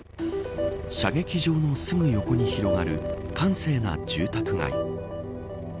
射撃場のすぐ横に広がる閑静な住宅街。